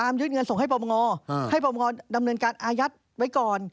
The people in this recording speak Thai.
ยื่นเงินส่งให้ปรปงให้ปรงดำเนินการอายัดไว้ก่อน